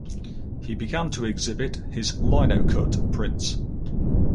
He began to exhibit his linocut prints.